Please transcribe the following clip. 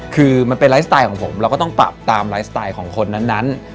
คือมันเป็นไลฟ์สไตล์ของผมเราก็ต้องปรับตามไลฟ์สไตล์ของคนนั้น